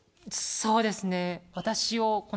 そうです。